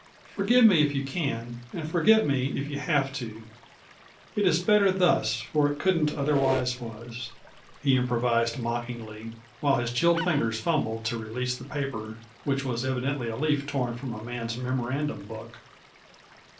Forgive me if you can, and forget me if you have to. It is better thus, for it couldn't otherwise was,'" he improvised mockingly, while his chilled fingers fumbled to release the paper, which was evidently a leaf torn from a man's memorandum book.